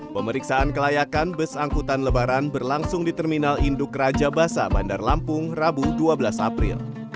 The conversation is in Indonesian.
pemeriksaan kelayakan bus angkutan lebaran berlangsung di terminal induk raja basa bandar lampung rabu dua belas april